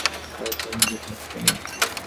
তার বাবা কখনো এত দেরি করেন না!